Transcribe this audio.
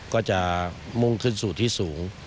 ก็จะมุ่งขึ้นสู่ที่สูง